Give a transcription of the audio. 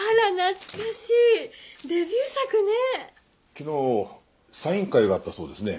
昨日サイン会があったそうですね。